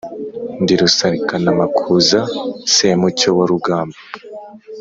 ndi rusarikanamakuza semucyo wa rugamba,